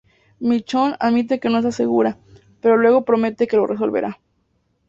Michonne admite que no está segura, pero luego promete que lo resolverá.